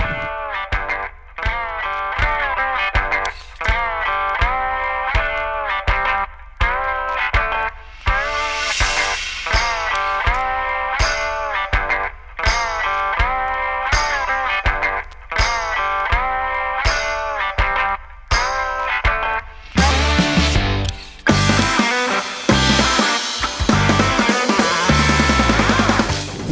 มีคนดูว่าแกรงหลาทำแบบเผื่อมิตรฟอร์ต